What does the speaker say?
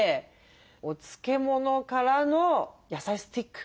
お漬物からの野菜スティック。